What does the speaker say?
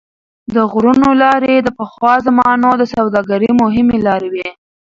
د غرونو لارې د پخوا زمانو د سوداګرۍ مهمې لارې وې.